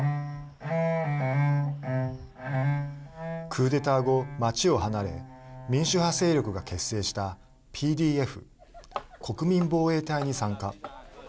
クーデター後、街を離れ民主派勢力が結成したＰＤＦ＝国民防衛隊に参加。